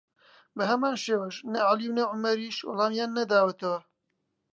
بەهەمان شێوەش نە عەلی و نە عومەریش وەڵامیان نەداوەتەوە